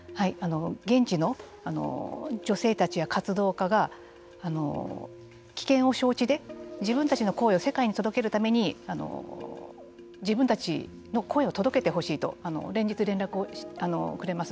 現地の女性たちや活動家が危険を承知で自分たちの声を世界に届けるために自分たちの声を届けてほしいと連日連絡をくれます。